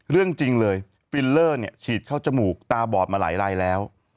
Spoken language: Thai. เรื่องจริงเลยฟิลเลอร์เนี่ยฉีดเข้าจมูกตาบอดมาหลายลายแล้ว